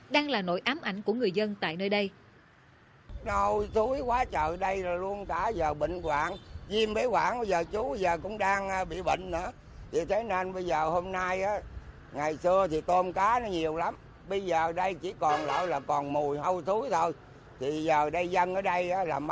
đang là nỗi ám ảnh của người dân tại nơi đây